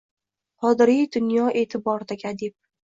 Qodiriy – dunyo e’tiboridagi adib